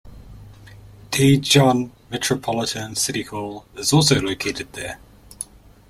Daejeon Metropolitan City Hall is also located there.